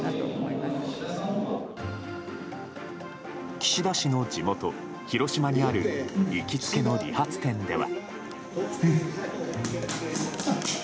岸田氏の地元・広島にある行きつけの理髪店では。